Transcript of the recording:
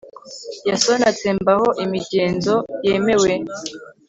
yasoni atsembaho imigenzo yemewe